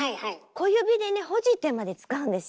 小指でほじってまで使うんですよ。